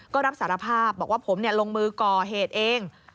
ก็รับสารภาพบอกว่าผมลงมือก่อเหตุเอง